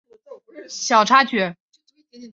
演唱会第二日出现了小插曲。